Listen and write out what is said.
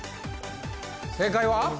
正解は？